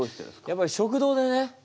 やっぱり食堂でね